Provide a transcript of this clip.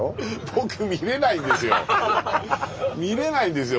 僕見れないんですよ。